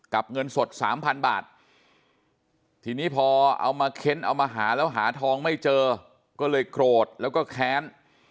เงินสดสามพันบาททีนี้พอเอามาเค้นเอามาหาแล้วหาทองไม่เจอก็เลยโกรธแล้วก็แค้น